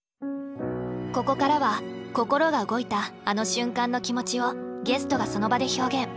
ここからは心が動いたあの瞬間の気持ちをゲストがその場で表現。